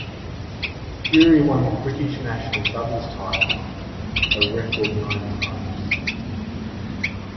Durie won the British National Doubles title a record nine times.